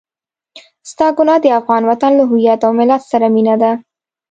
ستا ګناه د افغان وطن له هويت او ملت سره مينه ده.